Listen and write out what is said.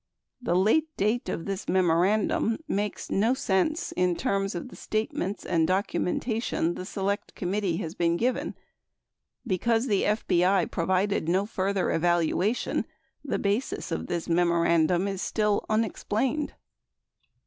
The late date of this memorandum makes no sense in terms of the statements and docu mentation the Select Committee has been given ; because the FBI pro vided no further evaluation, the basis of this memorandum is still unexplained.